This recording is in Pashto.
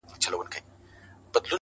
دننه ښه دی! روح يې پر ميدان ښه دی!